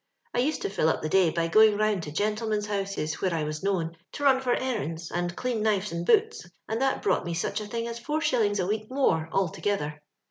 I used to fill up the day by going round to gentlemen's houses where I was known, to run for errands and clean knives and boots, and that brought me sich a thing as four shillings a week more altogether.